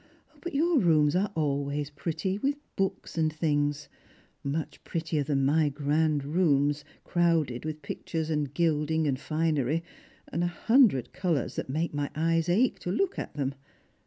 " Bat your rooms are always pretty, with books and things — much prettier than my grand rooms, crowded with pictures, and gilding, and finery, and a hundred colours that make my eyes ache to look at them.